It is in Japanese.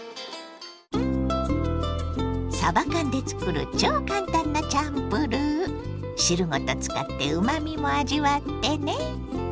さば缶で作る超簡単なチャンプルー。汁ごと使ってうまみも味わってね。